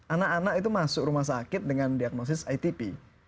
anak anak itu masuk rumah sakit dengan diagnosis itp